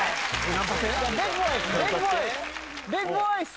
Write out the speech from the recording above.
ビッグボイス！